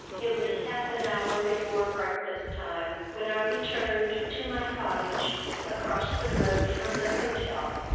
It was half an hour before breakfast time when I returned to my cottage across the road from the hotel.